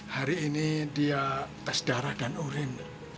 hari ini dia tes darah dan urin